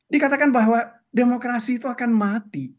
dikatakan bahwa demokrasi itu akan mati